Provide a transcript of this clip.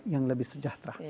yang lebih sejahtera